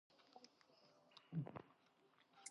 The Changtse Glacier flows north into the East Rongbuk Glacier.